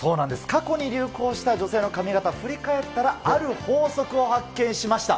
過去に流行した女性の髪形、振り返ったら、ある法則を発見しました。